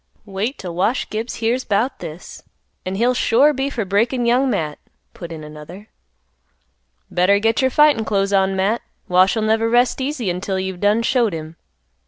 "Wait 'till Wash Gibbs hears 'bout this, an' he'll sure be for breakin' Young Matt," put in another. "Better get your fightin' clothes on, Matt; Wash'll never rest easy until you've done showed him."